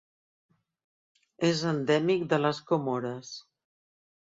És endèmic de les Comores.